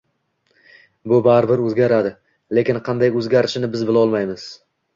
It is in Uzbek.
Bu baribir o‘zgaradi, lekin qanday o‘zgarishini biz bilolmaymiz.